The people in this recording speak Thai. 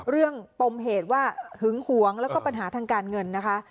ปมเหตุว่าหึงหวงแล้วก็ปัญหาทางการเงินนะคะ